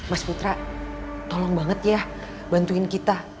mas putra tolong banget ya bantuin kita